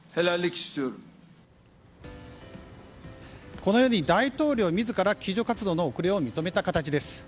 このように大統領自ら救助活動の遅れを認めた形です。